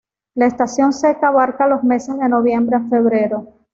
La estación seca abarca los meses de noviembre a febrero.